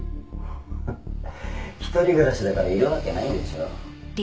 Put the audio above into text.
「フッ一人暮らしだからいるわけないでしょ」